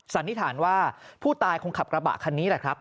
สันนิษฐานว่าผู้ตายคงขับกระบะคันนี้แหละครับ